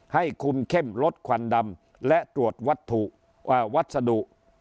ให้คุมเข้มลดควันดำและตรวจวัสดุ